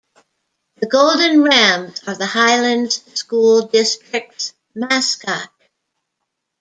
The Golden Rams are the Highlands School District's mascot.